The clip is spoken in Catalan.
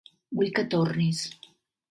Vull que tornis.